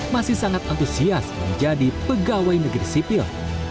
masih sangat antusias menjadi pegawai negeri sipil